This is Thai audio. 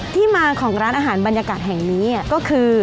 ที่มาของร้านอาหารบรรยากาศแห่งนี้ก็คือ